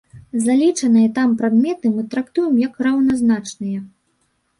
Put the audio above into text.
Залічаныя там прадметы мы трактуем як раўназначныя.